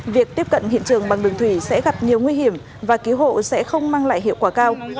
việc tiếp cận hiện trường bằng đường thủy sẽ gặp nhiều nguy hiểm và cứu hộ sẽ không mang lại hiệu quả cao